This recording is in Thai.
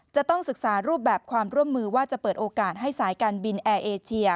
จะต้องศึกษารูปแบบความร่วมมือว่าจะเปิดโอกาสให้สายการบินแอร์เอเชีย